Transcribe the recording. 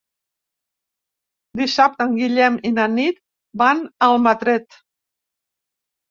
Dissabte en Guillem i na Nit van a Almatret.